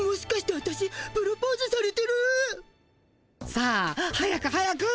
さあ早く早く。